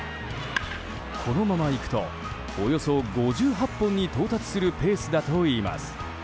このままいくとおよそ５８本に到達するペースだといいます。